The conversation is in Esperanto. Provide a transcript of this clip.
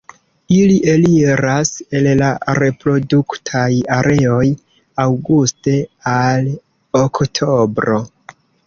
Ili eliras el la reproduktaj areoj aŭguste al oktobro.